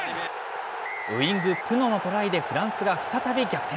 ウイング、プノのトライでフランスが再び逆転。